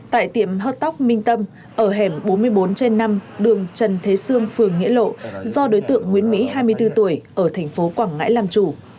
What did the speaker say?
tại tiệm hớt tóc minh tâm ở hẻm bốn mươi bốn trên năm đường trần thế sương phường nghĩa lộ do đối tượng nguyễn mỹ hai mươi bốn tuổi ở thành phố quảng ngãi làm chủ